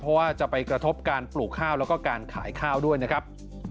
เพราะว่าจะไปกระทบการปลูกข้าวแล้วก็การขายข้าวด้วยนะครับ